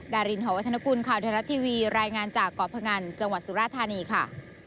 ดารินหอวัฒนกุลข่าวไทยรัฐทีวีรายงานจากเกาะพงันจังหวัดสุราธานีค่ะ